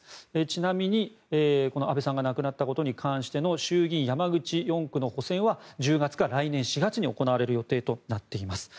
ちなみに安倍さんが亡くなったことに関しての衆議院山口４区の補選は１０月か来年４月に行われる予定となっています。